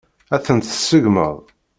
Ad tent-tseggmeḍ?